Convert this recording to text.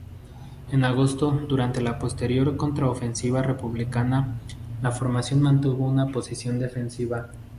En agosto, durante la posterior contraofensiva republicana, la formación mantuvo una posición defensiva.